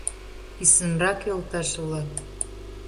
Писынрак, йолташ-влак!